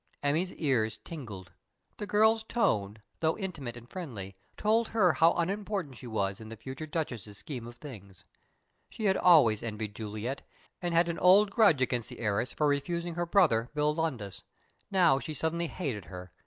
Emmy's ears tingled. The girl's tone, though intimate and friendly, told her how unimportant she was in the future Duchess's scheme of things. She had always envied Juliet, and had an old grudge against the heiress for refusing her brother, Bill Lowndes. Now she suddenly hated her.